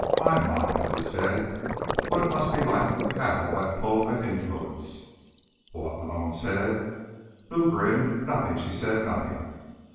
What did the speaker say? "My, my," Lou said. "What it must be like to have all that pull and influence." "What?" Malone said. Lou grinned. "Nothing," she said. "Nothing."